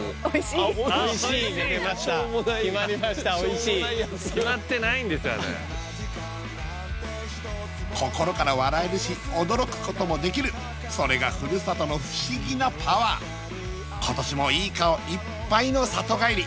あれ心から笑えるし驚くこともできるそれが故郷の不思議なパワー今年もいい顔いっぱいの里帰り